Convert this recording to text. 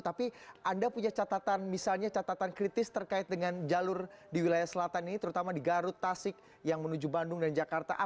tapi anda punya catatan misalnya catatan kritis terkait dengan jalur di wilayah selatan ini terutama di garut tasik yang menuju bandung dan jakarta